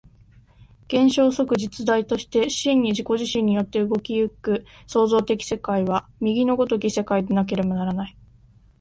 現象即実在として真に自己自身によって動き行く創造的世界は、右の如き世界でなければならない。